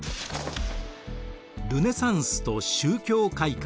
ルネサンスと宗教改革。